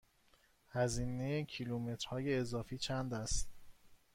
هزینه کیلومترهای اضافه چند است؟